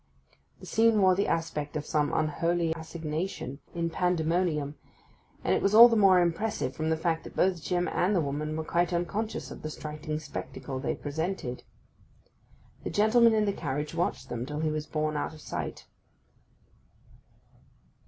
The scene wore the aspect of some unholy assignation in Pandaemonium, and it was all the more impressive from the fact that both Jim and the woman were quite unconscious of the striking spectacle they presented. The gentleman in the carriage watched them till he was borne out of sight.